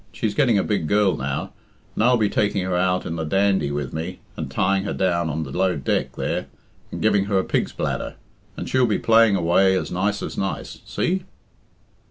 She's getting a big girl now, and I'll be taking her out in the Dandie with me and tying her down on the low deck there and giving her a pig's bladder, and she'll be playing away as nice as nice. See?"